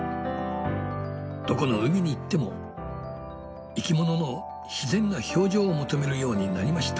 どこの海に行っても生きものの自然な表情を求めるようになりました。